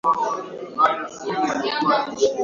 Biko aliwekewa vikwazo wakati wa kipindi cha ubaguzi wa rangi